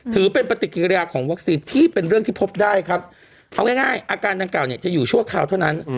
ถือเป็นปฏิกิริยาของวัคซีนที่เป็นเรื่องที่พบได้ครับเอาง่ายอาการดังกล่าเนี่ยจะอยู่ชั่วคราวเท่านั้น